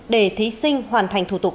để thí sinh hoàn thành thủ tục